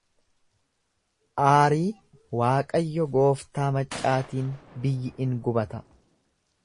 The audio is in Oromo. Aarii Waaqayyo gooftaa maccaatiin biyyi in gubata.